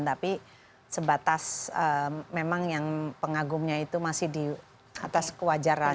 tapi sebatas memang yang pengagumnya itu masih di atas kewajaran